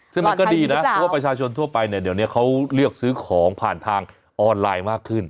ซึ่งมันก็ดีนะเพราะว่าประชาชนทั่วไปเนี่ยเดี๋ยวนี้เขาเลือกซื้อของผ่านทางออนไลน์มากขึ้น